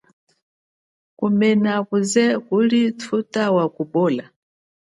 Kumena akuze kuliwuwa uthuta wa kupola.